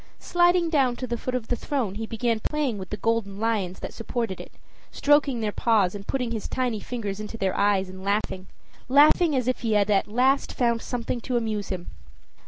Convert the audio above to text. Sliding down to the foot of the throne he began playing with the golden lions that supported it, stroking their paws and putting his tiny fingers into their eyes, and laughing laughing as if he had at last found something to amuse him.